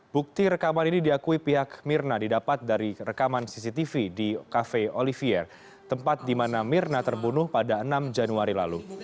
bukti rekaman ini diakui pihak mirna didapat dari rekaman cctv di cafe olivier tempat di mana mirna terbunuh pada enam januari lalu